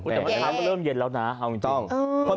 แต่วันนั้นก็เริ่มเย็นแล้วนะ